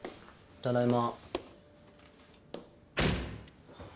ただいま。